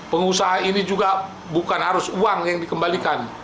pengusaha ini juga bukan harus uang yang dikembalikan